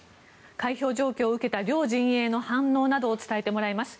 開票状況を受けた両陣営の反応などを伝えてもらいます。